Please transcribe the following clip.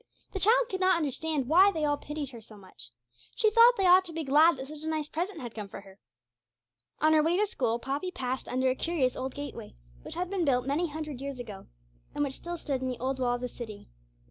The child could not understand why they all pitied her so much. She thought they ought to be glad that such a nice present had come for her. On her way to school Poppy passed under a curious old gateway, which had been built many hundred years ago, and which still stood in the old wall of the city.